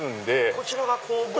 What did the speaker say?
こちらが工房？